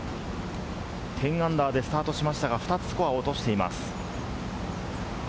−１０でスタートしましたが、２つスコアを落としています。